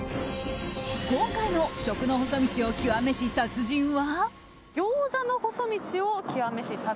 今回の食の細道を極めし達人は。